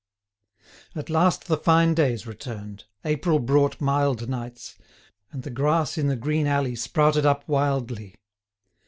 At last the fine days returned, April brought mild nights, and the grass in the green alley sprouted up wildly.